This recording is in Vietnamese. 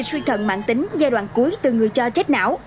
suy thận mạng tính giai đoạn cuối từ người cho chết não